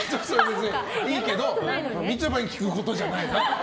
みちょぱに聞くことじゃない。